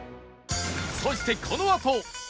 そしてこのあと